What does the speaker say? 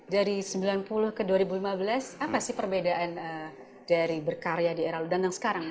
dari sembilan puluh ke dua ribu lima belas apa sih perbedaan dari berkarya di era ludan yang sekarang